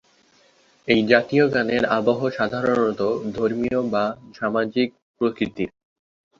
এই জাতীয় গানের আবহ সাধারণত ধর্মীয় বা সামাজিক প্রকৃতির।